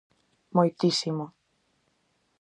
Moitísimo.